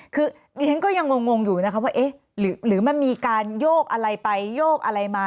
คือดิฉันก็ยังงงอยู่นะคะว่าเอ๊ะหรือมันมีการโยกอะไรไปโยกอะไรมา